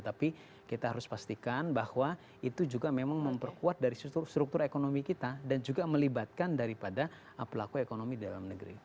tapi kita harus pastikan bahwa itu juga memang memperkuat dari struktur ekonomi kita dan juga melibatkan daripada pelaku ekonomi dalam negeri